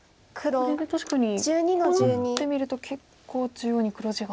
これで確かにこうなってみると結構中央に黒地が。